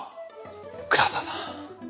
倉沢さん。